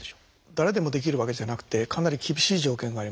誰でもできるわけじゃなくてかなり厳しい条件があります。